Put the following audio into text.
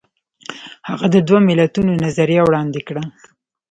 هغه د دوه ملتونو نظریه وړاندې کړه.